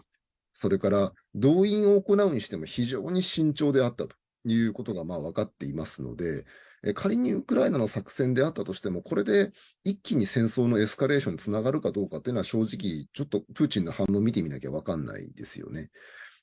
それから、動員を行うにしても、非常に慎重であったということが分かっていますので仮にウクライナの作戦であったとしてもこれで一気に戦争のエスカレーションにつながるかどうかというのは正直ちょっとプーチンの反応を見てみないと分からないですよね。